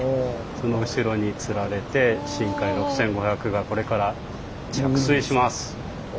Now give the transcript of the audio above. その後ろにつられてしんかい６５００がこれから着水します。